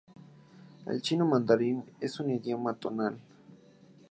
El chino mandarín es un idioma tonal.